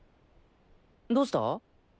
どうした？